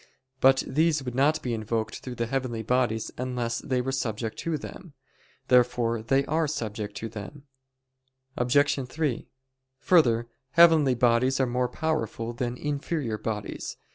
But these would not be invoked through the heavenly bodies unless they were subject to them. Therefore they are subject to them. Obj. 3: Further, heavenly bodies are more powerful than inferior bodies.